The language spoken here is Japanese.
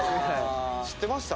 知ってました？